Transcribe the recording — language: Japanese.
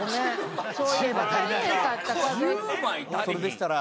それでしたら。